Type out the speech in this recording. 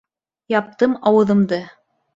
Яптым ауыҙымды.